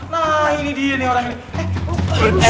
nah ini dia nih orang ini